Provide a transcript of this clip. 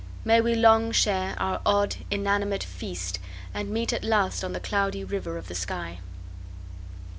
May we long share our odd, inanimate feast, And meet at last on the Cloudy River of the sky.